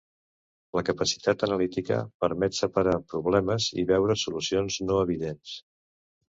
La capacitat analítica permet separar problemes i veure solucions no evidents.